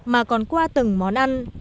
mà còn qua từng món ăn